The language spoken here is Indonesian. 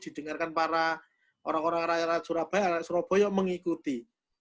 didengarkan para orang orang rakyat rakyat surabaya rakyat surabaya mengikuti